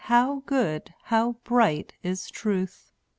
^ How good, how bright is truth.